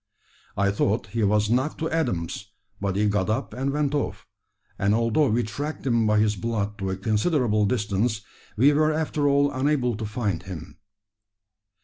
I thought he was knocked to atoms, but he got up and went off; and although we tracked him by his blood to a considerable distance, we were after all unable to find him!"